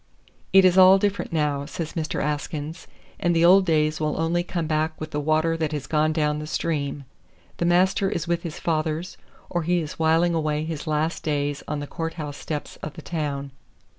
It is all different now, says Mr. Askins, and the old days will only come back with the water that has gone down the stream. The master is with his fathers or he is whiling away his last days on the courthouse steps of the town.